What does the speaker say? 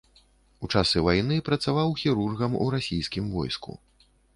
У часы вайны працаваў хірургам у расійскім войску.